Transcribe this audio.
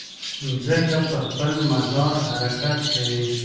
مځکه پر خپل مدار حرکت کوي.